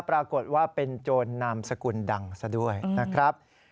ปรากฏว่าเป็นโจรนามสกุลดังซะด้วยนะครับ